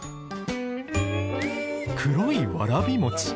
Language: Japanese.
黒いわらび餅。